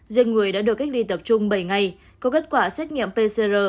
riêng người đã được cách ly tập trung bảy ngày có kết quả xét nghiệm pcr